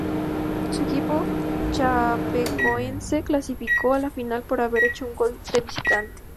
Su equipo, Chapecoense, clasificó a la final por haber hecho un gol de visitante.